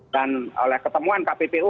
dan oleh ketemuan kppu